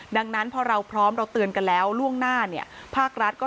ดังนั้นพอเราพร้อมเราเตือนกันแล้วล่วงหน้าเนี่ยภาครัฐก็